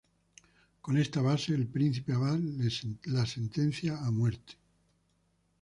Con esta base, el príncipe abad la sentencia a muerte.